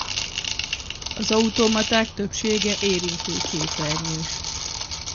Az automaták többsége érintőképernyős.